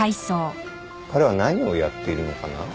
彼は何をやっているのかな？